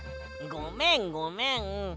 ごめんごめん。